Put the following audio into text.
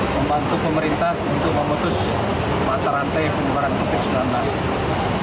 membantu pemerintah untuk memutus mata rantai penyebaran covid sembilan belas